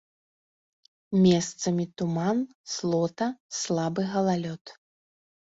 Месцамі туман, слота, слабы галалёд.